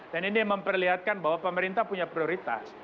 dan ini memperlihatkan bahwa pemerintah punya prioritas